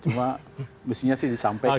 cuma mestinya sih disampaikan